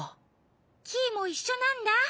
キイもいっしょなんだ。